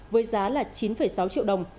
với giá là chín sáu triệu đồng